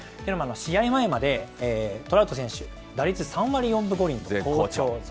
試合前まで、トラウト選手、打率３割４分５厘と好調。